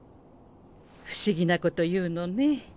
不思議なこと言うのね。